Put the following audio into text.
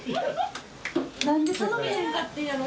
何で頼めへんかってんやろ。